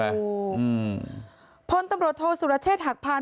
อือพลตำรถโทศุรเชษฐหักพราน